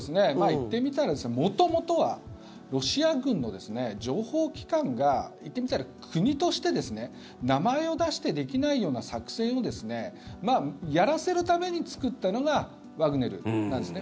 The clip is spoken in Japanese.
言ってみたら、元々はロシア軍の情報機関が言ってみたら国として名前を出してできないような作戦をやらせるために作ったのがワグネルなんですね。